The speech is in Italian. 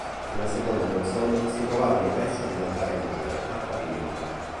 Una seconda consolle si trovava nei pressi dell'altare maggiore, a pavimento.